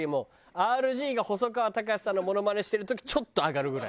ＲＧが細川たかしさんのモノマネしてる時ちょっと上がるぐらい。